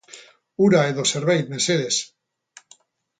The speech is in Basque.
Ura edo zerbait, mesedez.